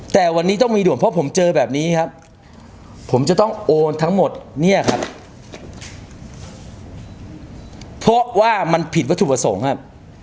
แต่วันนี้ต้องมีหยุดของผมเจอแบบนี้ครับผมจะต้องโอนทั้งหมดเนี่ยววว่ามันผิดวัตถุประสงค์ครับ